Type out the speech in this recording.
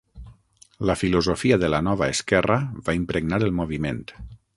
La filosofia de la Nova Esquerra va impregnar el moviment.